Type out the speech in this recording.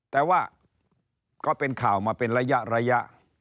แต่ว่าก็เป็นข่าวมาเป็นระยะ